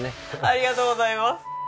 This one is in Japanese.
ありがとうございます。